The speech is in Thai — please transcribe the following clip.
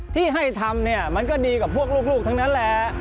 ที่ให้ทำเนี่ยมันก็ดีกับพวกลูกทั้งนั้นแหละ